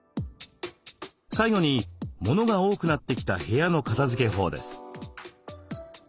最後に物が多くなってきた部屋の片づけ法です。